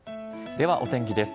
ではお天気です。